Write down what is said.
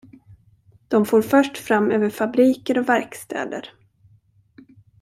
De for först fram över fabriker och verkstäder.